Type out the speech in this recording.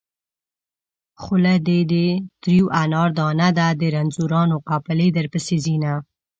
خوله دې د تريو انار دانه ده د رنځورانو قافلې درپسې ځينه